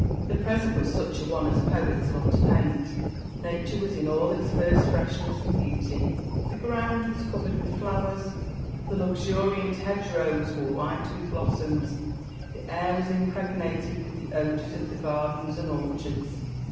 The present was such a one as poets love to paint. Nature was in all its first freshness and beauty the ground was covered with flowers, the luxuriant hedgerows were white with blossoms, the air was impregnated with the odours of the gardens and orchards.